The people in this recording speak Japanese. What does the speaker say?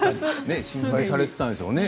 心配されてたんでしょうね